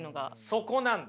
そこなんです。